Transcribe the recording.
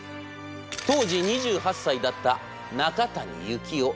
当時２８歳だった中谷幸夫。